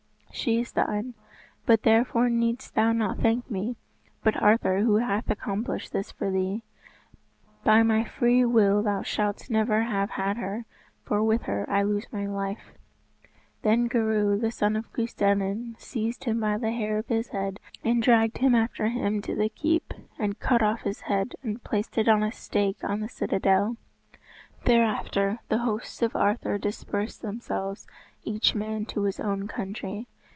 "She is thine, but therefore needst thou not thank me, but Arthur who hath accomplished this for thee. By my free will thou shouldst never have had her, for with her I lose my life." Then Goreu, the son of Custennin, seized him by the hair of his head and dragged him after him to the keep, and cut off his head and placed it on a stake on the citadel. Thereafter the hosts of Arthur dispersed themselves each man to his own country.